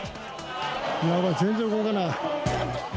やばい、全然動かない。